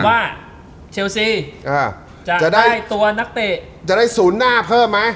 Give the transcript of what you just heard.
เชลซีจะได้ตัวนักเตะจะได้ศูนย์หน้าเพิ่มไหม